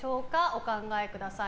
お考えください。